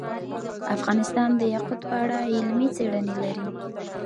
افغانستان د یاقوت په اړه علمي څېړنې لري.